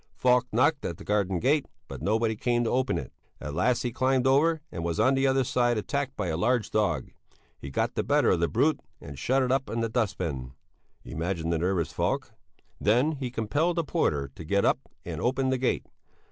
Falk knocked at the garden gate; but nobody came to open it. At last he climbed over and was on the other side attacked by a large dog; he got the better of the brute and shut it up in the dust bin. (Imagine the nervous Falk.) Then he compelled the porter to get up and open the gate.